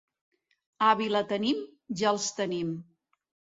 A Vilatenim, ja els tenim.